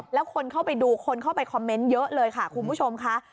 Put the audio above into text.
แล้วคนเข้าไปดูคนเข้าไปคอมเมนต์เยอะเลยค่ะคุณผู้ชมค่ะ